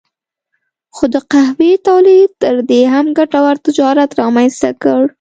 خو د قهوې تولید تر دې هم ګټور تجارت رامنځته کړ.